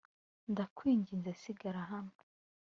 ndakwinginze sigara hano.